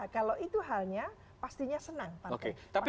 kalau itu halnya pastinya senang partai